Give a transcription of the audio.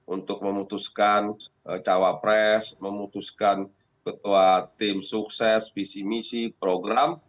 untuk memutuskan cawapres memutuskan ketua tim sukses visi misi program